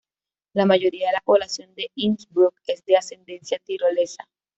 La mayoría de la población de Innsbruck es de ascendencia tirolesa.